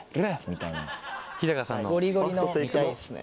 みたいな。